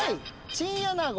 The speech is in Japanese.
チンアナゴ。